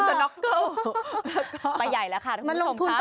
แล้วก็ไปใหญ่แล้วค่ะทุกคุณผู้ชม